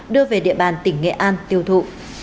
đưa về địa bàn tỉnh nghệ an tiêu thụ